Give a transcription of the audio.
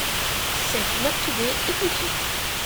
C'est une orchidée épiphyte.